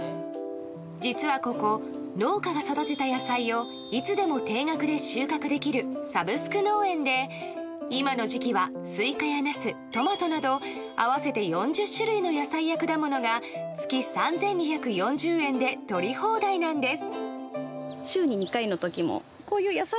実はここ、農家が育てた野菜をいつでも定額で収穫できるサブスク農園で今の時期はスイカやナス、トマトなど合わせて４０種類の野菜や果物が月３２４０円でとり放題なんです。